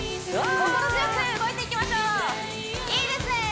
心強く動いていきましょういいですね